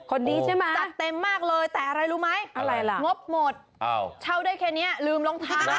คนดีใช่มั้ยแต่อะไรรู้ไหมงบหมดเฉาได้แค่นี้ลืมรองเท้า